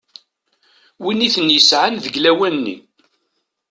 Win iten-isɛan deg lawan-nni.